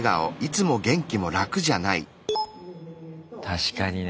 確かにね。